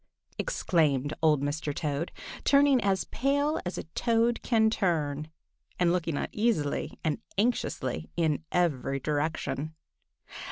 exclaimed old Mr. Toad, turning as pale as a Toad can turn, and looking uneasily and anxiously in every direction.